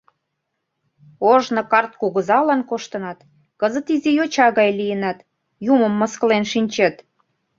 Ожно карт кугызалан коштынат, кызыт изи йоча гай лийынат, юмым мыскылен шинчет.